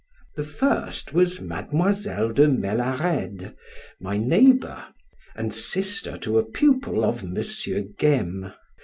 The first was Mademoiselle de Mallarede, my neighbor, and sister to a pupil of Monsieur Gaime.